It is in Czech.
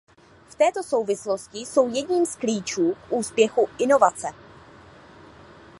V této souvislosti jsou jedním z klíčů k úspěchu inovace.